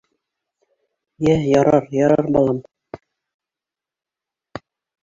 — Йә, ярар, ярар, балам.